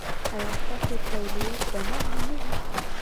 ایا ستاسو تولیه به نرمه نه وي؟